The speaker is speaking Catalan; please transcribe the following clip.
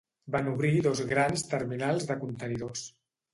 Van obrir dos grans terminals de contenidors.